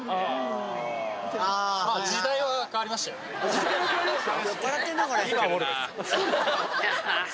時代は変わりました？